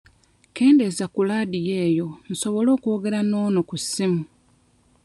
Kendeeza ku Ladiyo eyo nsobole okwogera n'ono ku ssimu.